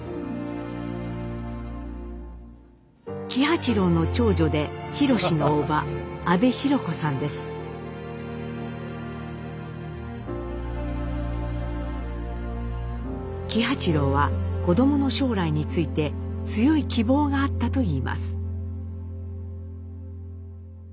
喜八郎の長女で喜八郎は子どもの将来について強い希望があったといいます。